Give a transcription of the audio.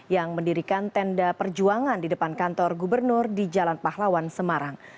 yang mendirikan tenda perjuangan di depan kantor gubernur di jalan pahlawan semarang